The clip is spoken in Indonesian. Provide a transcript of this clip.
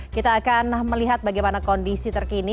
kita akan melihat bagaimana kondisi terkini